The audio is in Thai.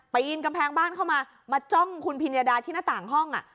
ปีนกำแพงบ้านเข้ามามาจ้องคุณพิญญาดาที่หน้าต่างห้อง